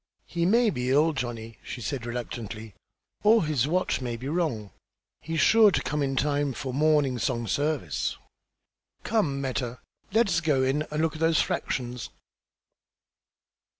"He may be ill, Johnny," she said, reluctantly, "or his watch may be wrong. He's sure to come in time for morning song service. Come, Meta, let us go in and look at those fractions."